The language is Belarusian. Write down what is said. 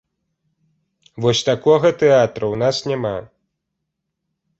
Вось такога тэатра ў нас няма!